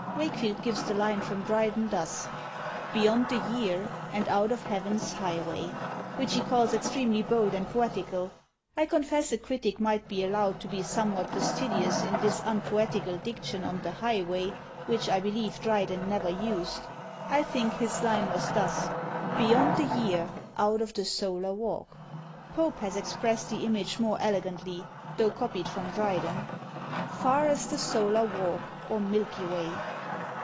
Wakefield gives the line from Dryden, thus: Beyond the year, and out of heaven's high way; which he calls extremely bold and poetical. I confess a critic might be allowed to be somewhat fastidious in this unpoetical diction on the high way, which I believe Dryden never used. I think his line was thus: Beyond the year, out of the SOLAR WALK. Pope has expressed the image more elegantly, though copied from Dryden, Far as the SOLAR WALK, or milky way.